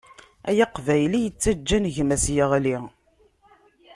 Ay Aqbayli yettaǧǧan gma-s yeɣli.